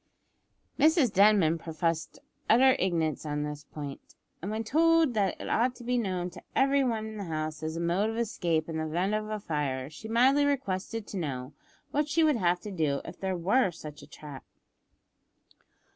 Mrs Denman professed utter ignorance on this point, and when told that it ought to be known to every one in the house as a mode of escape in the event of fire, she mildly requested to know what she would have to do if there were such a trap.